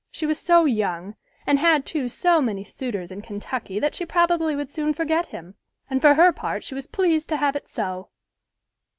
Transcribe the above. She was so young, and had, too, so many suitors in Kentucky that she probably would soon forget him, and for her part she was pleased to have it so!"